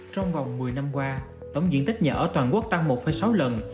trong vòng một mươi năm qua tổng diện tích nhà ở toàn quốc tăng một sáu lần